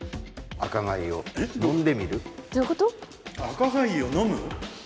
赤貝を飲む？